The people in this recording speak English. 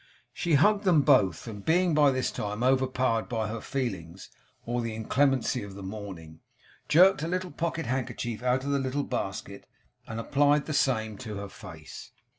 She hugged them both; and being by this time overpowered by her feelings or the inclemency of the morning, jerked a little pocket handkerchief out of the little basket, and applied the same to her face.